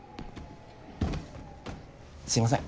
すいません